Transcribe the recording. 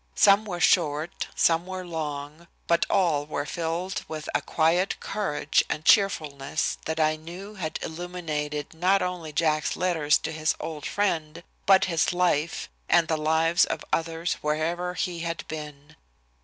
Some were short, some were long, but all were filled with a quiet courage and cheerfulness that I knew had illuminated not only Jack's letters to his old friend, but his life and the lives of others wherever he had been.